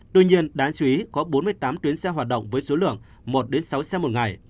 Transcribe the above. tuy nhiên đáng chú ý có bốn mươi tám tuyến xe hoạt động với số lượng một sáu xe một ngày